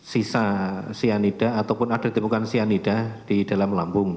sisa cyanida ataupun ada ditemukan cyanida di dalam lambung